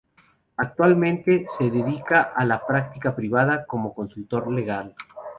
Actualmente se dedica a la práctica privada como consultor legal.